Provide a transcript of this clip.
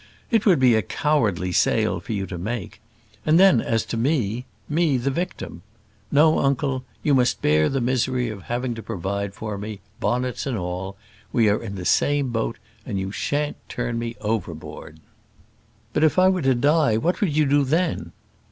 It would be a cowardly sale for you to make; and then, as to me me the victim. No, uncle; you must bear the misery of having to provide for me bonnets and all. We are in the same boat, and you shan't turn me overboard." "But if I were to die, what would you do then?"